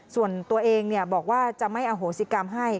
ส่วนตัวเองบอกว่าจะไม่อโหสิกรรมให้